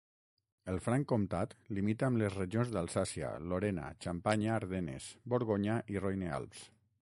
El Franc Comtat limita amb les regions d'Alsàcia, Lorena, Xampanya-Ardenes, Borgonya i Roine-Alps.